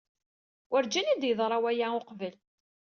Werǧin i d-yeḍra waya uqbel.